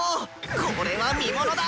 これは見モノだ！